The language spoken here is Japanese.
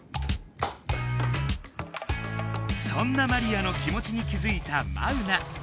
そんなマリアの気もちに気づいたマウナ。